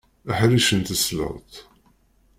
Aḥric n tesleḍt.